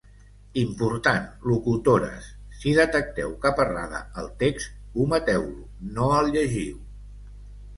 Important, locutores: si detecteu cap errada al text, ometeu-lo, no el llegiu!